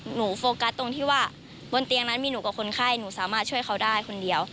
โฟกัสตรงที่ว่าบนเตียงนั้นมีหนูกับคนไข้หนูสามารถช่วยเขาได้คนเดียว